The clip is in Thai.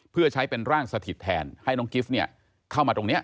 เพื่อใช้เป็นร่างสถิตแทนให้น้องกิฟต์เข้ามาตรงนี้